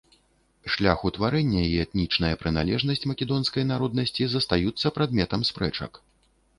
Шлях утварэння і этнічная прыналежнасць македонскай народнасці застаюцца прадметам спрэчак.